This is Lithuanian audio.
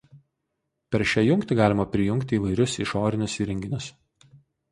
Per šią jungtį galima prijungti įvairius išorinius įrenginius.